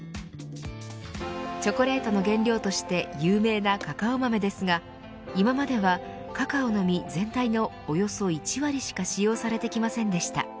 チョコレートの原料として有名なカカオ豆ですが今まではカカオの実全体のおよそ１割しか使用されてきませんでした。